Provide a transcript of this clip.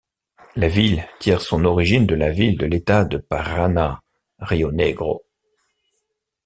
La ville tire son origine de la ville de l'État de Paraná, Rio Negro.